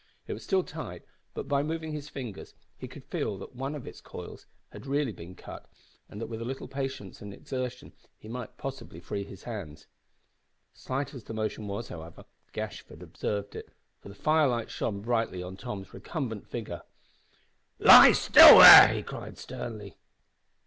It was still tight, but, by moving his fingers, he could feel that one of its coils had really been cut, and that with a little patience and exertion he might possibly free his hands. Slight as the motion was, however, Gashford observed it, for the fire light shone brightly on Tom's recumbent figure. "Lie still, there!" he cried, sternly.